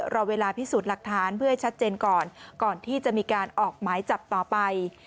รอเวลาพิสูจน์หลักฐานเพื่อให้ชัดเจนก่อนก่อนที่จะมีการออกหมายจับต่อไป